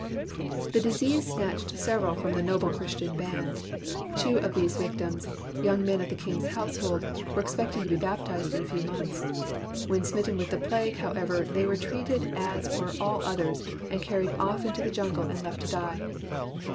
The disease snatched several from the noble Christian band. Two of these vic tims, young men of the king's household, were expecting to be baptized in a few months. When smitten with the plague, however, they were treated as were all others and carried off into the jungle and left to die.